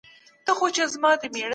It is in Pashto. موږ تاريخ او تمدن لرو.